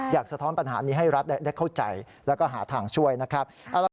สะท้อนปัญหานี้ให้รัฐได้เข้าใจแล้วก็หาทางช่วยนะครับ